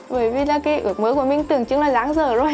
bởi vì là cái ước mơ của mình tưởng chứng là ráng rỡ rồi